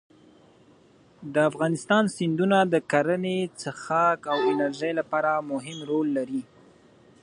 د افغانستان سیندونه د کرنې، څښاک او انرژۍ لپاره مهم رول لري.